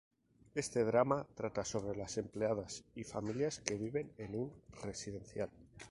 Este drama trata sobre las empleadas y familias que viven en un residencial.